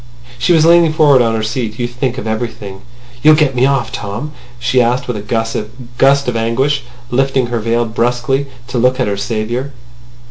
She was leaning forward on her seat. "You think of everything. ... You'll get me off, Tom?" she asked in a gust of anguish, lifting her veil brusquely to look at her saviour.